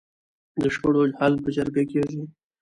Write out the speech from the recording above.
د شخړو حل په جرګه کیږي؟